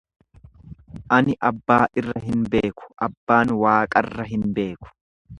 Ani abbaa irra hin beeku, abbaan Waaqarra hin beeku.